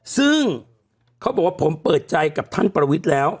ซึ่งเขาบอกว่าผมเปิดใจกับท่านประวิทย์แล้ว